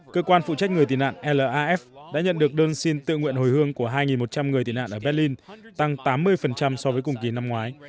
cơ quan phụ trách người tị nạn laf đã nhận được đơn xin tự nguyện hồi hương của hai một trăm linh người tị nạn ở berlin tăng tám mươi so với cùng kỳ năm ngoái